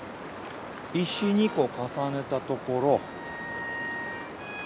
石２個重ねたところ。